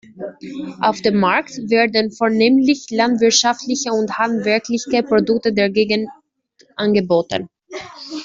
Auf dem Markt werden vornehmlich landwirtschaftliche und handwerkliche Produkte der Gegend angeboten.